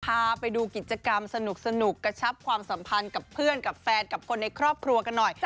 พาไปดูกิจกรรมสนุกกระชับความสัมพันธ์กับเพื่อนกับแฟนกับคนในครอบครัวกันหน่อย